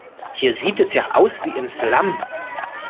Hier sieht es ja aus wie im Slum.